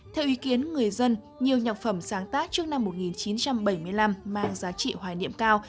theo ý kiến người dân nhiều nhạc phẩm sáng tác trước năm một nghìn chín trăm bảy mươi năm mang giá trị hoài niệm cao